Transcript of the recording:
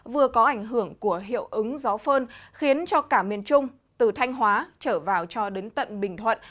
vừa có ảnh hưởng của hiệu ứng gió phơn khiến cho cả miền trung từ thanh hóa trở vào cho đến tận bình thuận